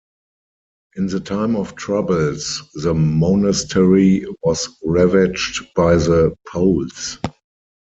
In the Time of Troubles, the monastery was ravaged by the Poles.